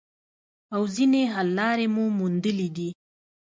او ځینې حل لارې مو موندلي دي